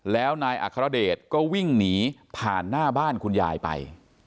แล้วนายอัครเดชก็วิ่งหนีผ่านหน้าบ้านคุณยายไป